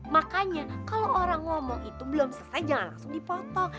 makanya kalau orang ngomong itu belum selesai jangan langsung dipotong